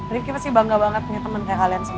ricky pasti bangga banget punya temen kayak kalian semua